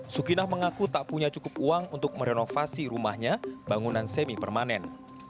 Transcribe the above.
sukinah mengaku tak punya cukup uang untuk merenovasi rumahnya bangunan semi permanen